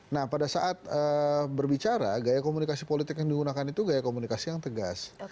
nah pada saat berbicara gaya komunikasi politik yang digunakan itu gaya komunikasi yang tegas